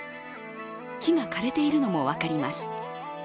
木が枯れているのも分かります。